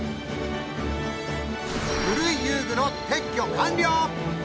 古い遊具の撤去完了。